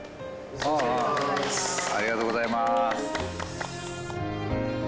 ありがとうございます。